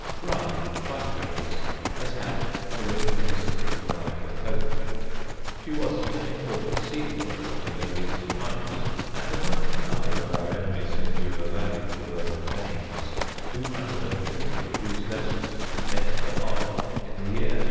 Rye, like Winchelsea, has had a richer history than I can cope with. She was an important seaport from the earliest times; and among other of our enemies who knew her value were the Danes, two hundred and fifty of whose vessels entered the harbour in the year 893.